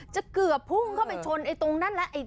จะเกือบผุ้งเข้าไปชนตรงนั้นแล้ว